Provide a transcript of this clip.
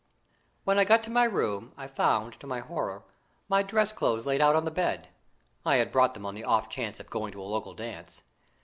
When I got to my room, I found, to my horror, my dress clothes laid out on the bed I had brought them on the off chance of going to a local dance.